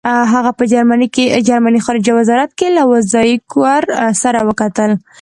هغه په جرمني خارجه وزارت کې له وایزیکر سره وکتل.